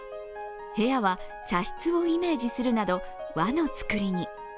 部屋は茶室をイメージするなど和のつくりに。